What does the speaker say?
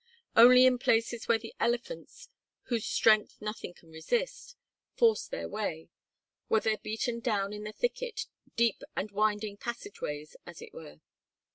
Only in places where the elephants, whose strength nothing can resist, forced their way, were there beaten down in the thicket deep and winding passageways, as it were.